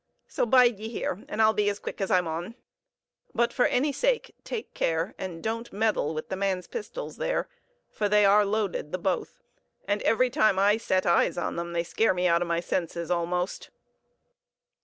So bide ye here, and I'll be as quick as I maun. But for any sake take care and don't meddle with the man's pistols there, for they are loaded, the both; and every time I set eyes on them they scare me out of my senses, almost."